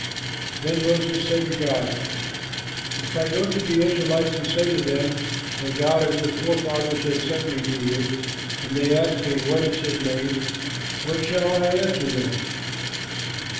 Then Moses said to God, "If I go to the Israelites and say to them, 'The God of your forefathers has sent me to you,' and they ask me, 'What is his name?' what shall I answer them?"